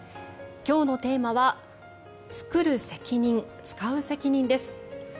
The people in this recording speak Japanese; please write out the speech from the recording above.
今日のテーマは「つくる責任つかう責任」です。